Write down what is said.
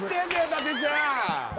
伊達ちゃん